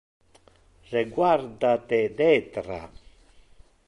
Reguarda te detra.